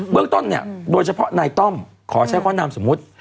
เรื่องต้นเนี่ยโดยเฉพาะนายต้อมขอใช้ข้อนามสมมุติ